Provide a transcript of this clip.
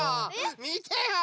みてよ！